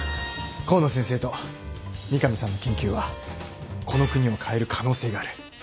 河野先生と三上さんの研究はこの国を変える可能性がある。